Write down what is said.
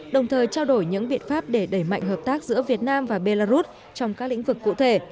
đồng thời trao đổi những biện pháp để đẩy mạnh hợp tác giữa việt nam và belarus trong các lĩnh vực cụ thể